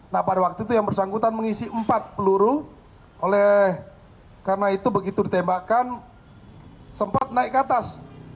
nah pada waktu itu yang bersangkutan mengisi empat peluru oleh karena itu begitu ditembakkan sempat naik ke atas